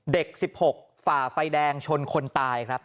๑๖ฝ่าไฟแดงชนคนตายครับ